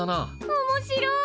おもしろい！